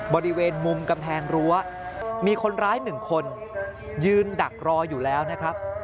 บริเวณมุมกำแพงรั้วมีคนร้ายหนึ่งคนยืนดักรออยู่แล้วนะครับ